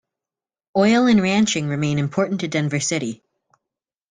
Oil and ranching remain important to Denver City.